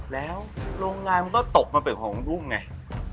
แล้วโรงงานมันก็ตกมาเป็นของกุ้งไง